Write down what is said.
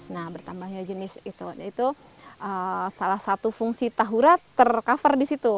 nah bertambahnya jenis itu salah satu fungsi tahu rawan tercover disitu